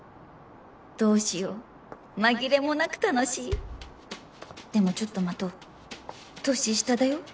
どうしよう紛れもなく楽しいでもちょっと待とう年下だよ？